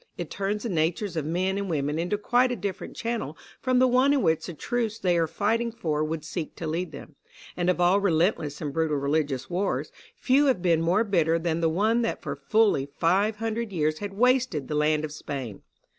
It turns the natures of men and women into quite a different channel from the one in which the truths they are fighting for would seek to lead them; and of all relentless and brutal religious wars, few have been more bitter than the one that for fully five hundred years had wasted the land of Spain.